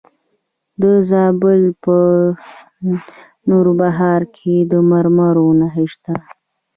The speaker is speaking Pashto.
د زابل په نوبهار کې د مرمرو نښې شته.